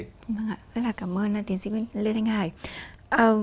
rất là cảm ơn tiến sĩ lê thanh hải